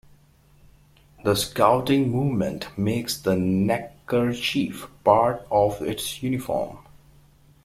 The Scouting movement makes the neckerchief part of its uniform.